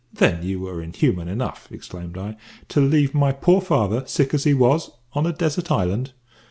"Then you were inhuman enough," exclaimed I, "to leave my poor father, sick as he was, on a desert island?"